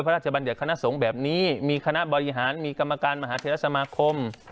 บัญญัติคณะสงฆ์แบบนี้มีคณะบริหารมีกรรมการมหาเทศสมาคม